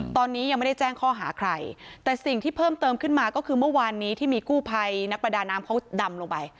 ตอนนี้ยังไม่ได้แจ้งข้อหาใครแต่สิ่งที่เพิ่มเติมขึ้นมาก็คือเมื่อวานนี้ที่มีกู้ภัยนักประดาน้ำเขาดำลงไป